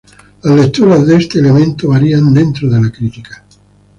Las lecturas de este elemento varían dentro de la crítica.